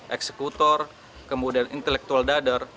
eksekutor kemudian intelektual dadar